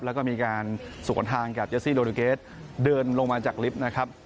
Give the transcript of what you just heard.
แล้วก็มีการสวนทางกับเจสซี่โดดิเกสเดินลงมาจากลิฟต์นะครับ